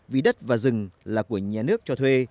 vì đất và rừng là của nhà nước cho thuê